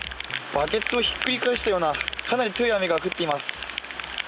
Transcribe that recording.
バケツをひっくり返したような、かなり強い雨が降っています。